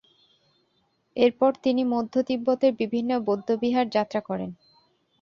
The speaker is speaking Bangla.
এরপর তিনি মধ্য তিব্বতের বিভিন্ন বৌদ্ধবিহার যাত্রা করেন।